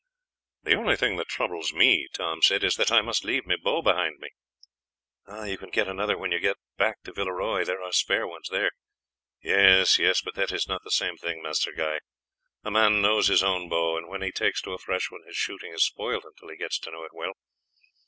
"The only thing that troubles me," Tom said, "is that I must leave my bow behind me." "You can get another when you get back to Villeroy; there are spare ones there." "Yes, yes, but that is not the same thing, Master Guy; a man knows his own bow, and when he takes to a fresh one his shooting is spoilt until he gets to know it well.